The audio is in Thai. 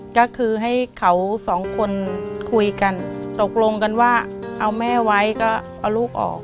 ก็คือให้เขาสองคนคุยกันตกลงกันว่าเอาแม่ไว้ก็เอาลูกออก